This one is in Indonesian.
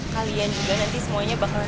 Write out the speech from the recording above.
kalian juga nanti semuanya bakal